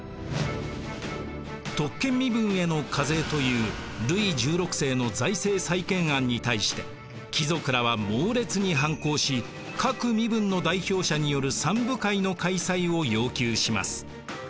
特権身分への課税というルイ１６世の財政再建案に対して貴族らは猛烈に反抗し各身分の代表者による三部会の開催を要求します。